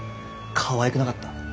かわいくなかった？